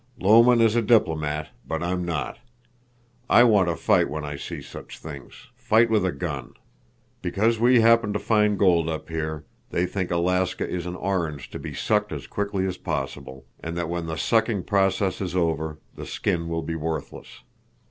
"Lomen is a diplomat, but I'm not. I want to fight when I see such things—fight with a gun. Because we happened to find gold up here, they think Alaska is an orange to be sucked as quickly as possible, and that when the sucking process is over, the skin will be worthless.